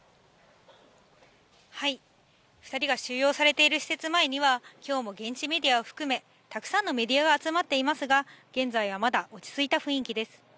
２人が収容されている施設前には、きょうも現地メディアを含め、たくさんのメディアが集まっていますが、現在はまだ落ち着いた雰囲気です。